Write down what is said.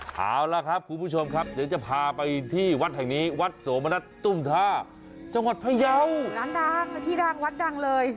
เอาล่ะครับคุณผู้ชมครับเดี๋ยวจะพาไปที่วัดแห่งนี้วัดโสมณัฐตุ้มท่าจังหวัดพยาวร้านดังที่ดังวัดดังเลย